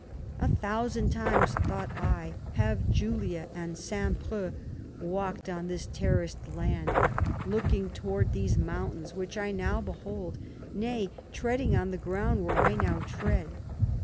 A thousand times, thought I, have Julia and St. Preux walked on this terrassed road, looking towards these mountains which I now behold ; nay, treading on the ground where I now tread.